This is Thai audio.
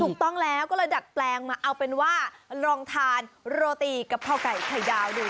ถูกต้องแล้วก็เลยดัดแปลงมาเอาเป็นว่าลองทานโรตีกะเพราไก่ไข่ดาวดู